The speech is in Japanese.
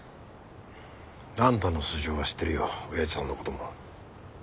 あんたの素性は知ってるよ親父さんの事も。